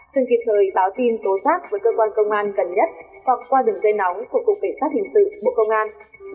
từng kỳ thời báo tin tố rác với cơ quan công an gần nhất hoặc qua đường gây nóng của cục kể sát hình sự bộ công an sáu mươi chín hai trăm ba mươi bốn tám nghìn năm trăm sáu mươi chín